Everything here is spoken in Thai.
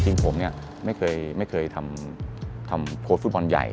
จริงผมเนี่ยไม่เคยทำโพสต์ฟุตบอลใหญ่